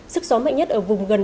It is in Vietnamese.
sức gió mạnh nhất ở vùng gần